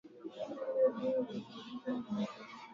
Chakula chashibisha.